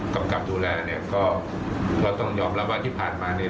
กำกับดูแลเนี่ยก็เราต้องยอมรับว่าที่ผ่านมาเนี่ย